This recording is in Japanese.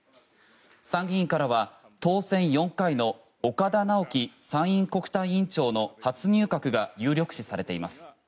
参議院からは当選４回の岡田直樹参院国対委員長の初入閣が有力視されています。